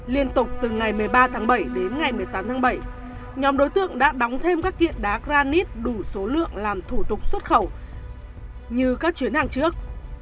liên tục từ ngày một mươi ba tháng bảy đến ngày một mươi tám tháng bảy nhóm đối tượng đã đóng thêm các kiện đá granis đủ số lượng làm thủ tục xuất khẩu như các chuyến hàng trước